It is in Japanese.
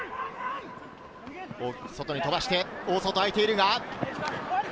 外に飛ばして大外があいている。